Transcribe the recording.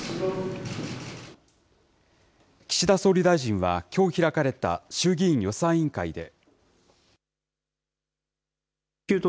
岸田総理大臣は、きょう開かれた衆議院予算委員会で。